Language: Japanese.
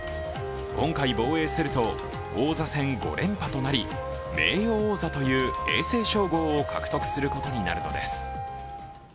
今回防衛すると王座戦５連覇となり、名誉王座という永世称号を獲得することになるのです。